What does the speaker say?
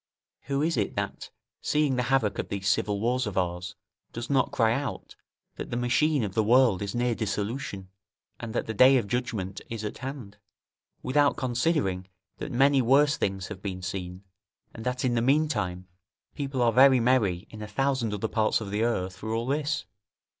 Who is it that, seeing the havoc of these civil wars of ours, does not cry out, that the machine of the world is near dissolution, and that the day of judgment is at hand; without considering, that many worse things have been seen, and that in the meantime, people are very merry in a thousand other parts of the earth for all this?